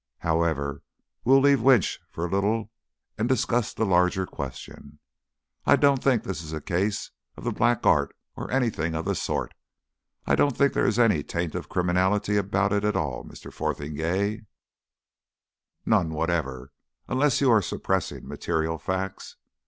"However, we'll leave Winch for a little and discuss the larger question. I don't think this is a case of the black art or anything of the sort. I don't think there is any taint of criminality about it at all, Mr. Fotheringay none whatever, unless you are suppressing material facts.